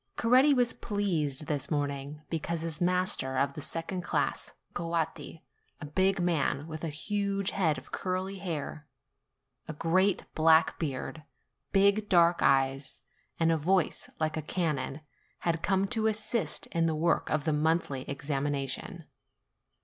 Coretti was pleased this morning, because his master of the second class, Coatti, a big man, with a huge head of curly hair, a great black beard, big dark eyes, and a voice like a cannon, had come to assist in the work of the monthly examination.